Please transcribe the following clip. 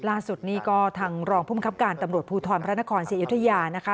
ล่าสุดนี่ก็ทางรองภูมิครับการตำรวจภูทรพระนครศรีอยุธยานะคะ